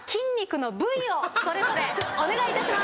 それぞれお願いいたします。